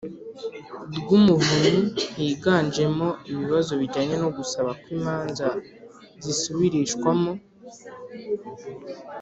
Rw umuvunyi higanjemo ibibazo bijyanye no gusaba ko imanza zisubirishwamo